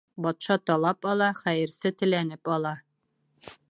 Батша талап ала, хәйерсе теләнеп ала.